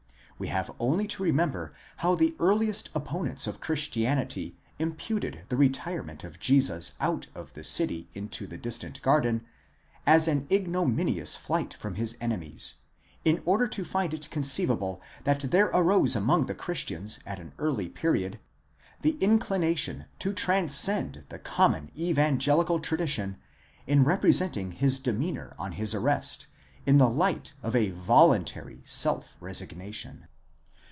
We have only to remember how the earliest opponents of Christianity imputed the re tirement of Jesus out of the city into the distant garden, as an ignominious. flight from his enemies,® in order to find it conceivable that there arose among the Christians at an early period the inclination to transcend the common evangelical tradition in representing his demeanour on his arrest in the light of a voluntary self resignation.